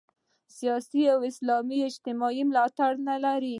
سیاسي اسلام اجتماعي ملاتړ نه لري.